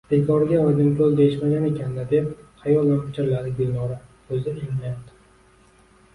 — Bekorga Oydinkoʼl deyishmagan ekan-da, — deb xayolan pichirladi Gulnora koʼzi ilinayotib.